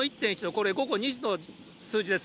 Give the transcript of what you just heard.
これ、午後２時の数字です。